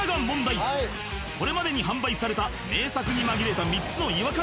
これまでに販売された名作に紛れた３つの違和感